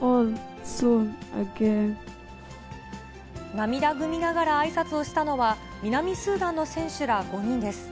涙ぐみながらあいさつをしたのは、南スーダンの選手ら５人です。